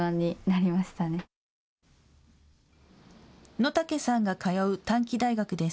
野武さんが通う短期大学です。